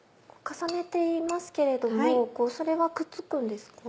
重ねていますけれどもそれはくっつくんですか？